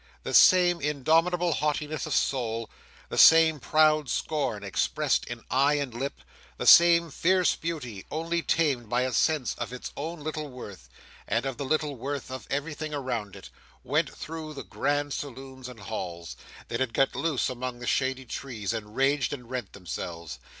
The same indomitable haughtiness of soul, the same proud scorn expressed in eye and lip, the same fierce beauty, only tamed by a sense of its own little worth, and of the little worth of everything around it, went through the grand saloons and halls, that had got loose among the shady trees, and raged and rent themselves.